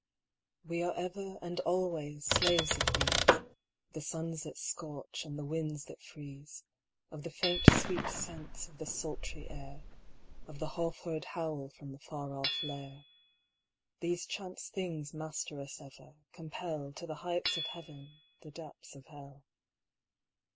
We are ever and always slaves of these, Of the suns that scorch and the winds that freeze, Of the faint sweet scents of the sultry air, Of the half heard howl from the for off lair. These chance things master us ever. Compel To the heights of Heaven, the depths of Hell.